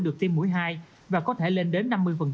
được tiêm mũi hai và có thể lên đến năm mươi